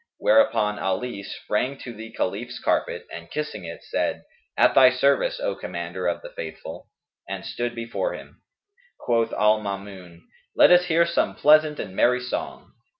Whereupon Ali sprang to the Caliph's carpet and kissing it, said, "At thy service, O Commander of the Faithful!" and stood before him. Quoth al Maamun, "Let us hear some pleasant and merry song."